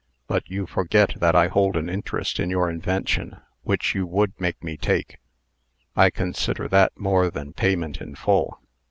"But you forget that I hold an interest in your invention, which you would make me take. I consider that more than payment in full."